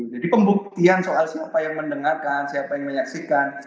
jadi pembuktian soal siapa yang mendengarkan siapa yang menyaksikan